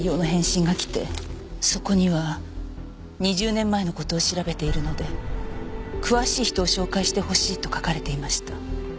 そこには２０年前の事を調べているので詳しい人を紹介してほしいと書かれていました。